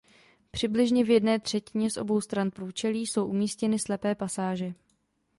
Přibližně v jedné třetině z obou stran průčelí jsou umístěny slepé pasáže.